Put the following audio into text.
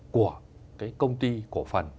của cái công ty cổ phần